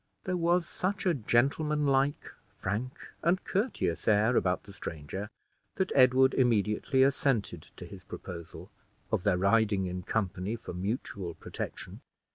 There was such a gentlemanlike, frank, and courteous air about the stranger, that Edward immediately assented to his proposal, of their riding in company for mutual protection.